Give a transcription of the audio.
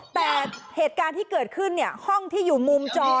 แต่เหตุการณ์ที่เกิดขึ้นเนี่ยห้องที่อยู่มุมจอ